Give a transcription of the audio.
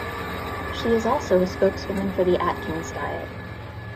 She is also a spokeswoman for the Atkins diet.